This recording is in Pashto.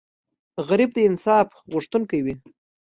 غریب د انصاف غوښتونکی وي